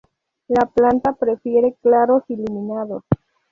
La planta prefiere claros iluminados.